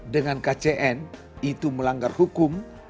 dengan kcn itu melanggar hukum